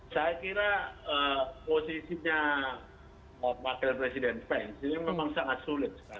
saya kira posisinya pak presiden pence ini memang sangat sulit